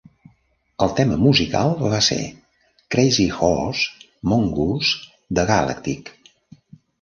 El tema musical va ser "Crazyhorse Mongoose" de Galactic.